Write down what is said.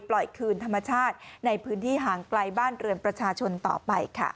ปล่อยคืนธรรมชาติในพื้นที่ห่างไกลบ้านเรือนประชาชนต่อไปค่ะ